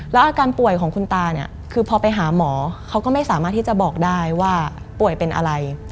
แล้วอาการป่วยของคุณตาเนี่ยคือพอไปหาหมอเขาก็ไม่สามารถที่จะบอกได้ว่าป่วยเป็นอะไร